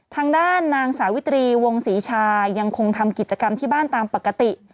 ทางด้านนางสาวิตรีวงศรีชายังคงทำกิจกรรมที่บ้านตามปกติ